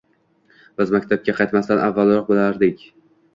Biz maktabga qatnamasdan avvalroq bilardik.